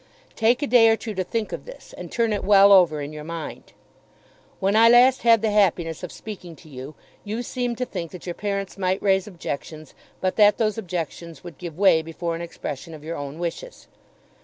Take a day or two to think of this and turn it well over in your mind. When I last had the happiness of speaking to you, you seemed to think that your parents might raise objections, but that those objections would give way before an expression of your own wishes.